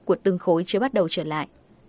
của từng khối chưa bắt đầu trở lại